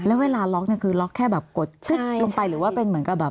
แล้วเวลาล็อกเนี่ยคือล็อกแค่แบบกดคึกลงไปหรือว่าเป็นเหมือนกับแบบ